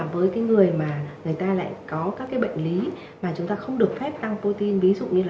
với cái người mà người ta lại có các cái bệnh lý mà chúng ta không được phép tăng pôi ví dụ như là